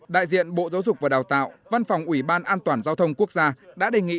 đại diện bộ giáo dục và đào tạo văn phòng ủy ban an toàn giao thông quốc gia đã đề nghị